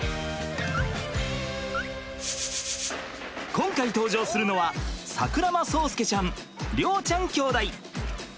今回登場するのは櫻間蒼介ちゃん崚ちゃん兄弟。